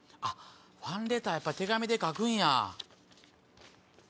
ファンレターやっぱ手紙で書くんや。